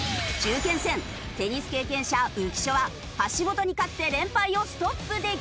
テニス経験者浮所は橋本に勝って連敗をストップできるか！？